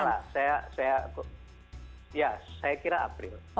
kalau tidak salah saya kira april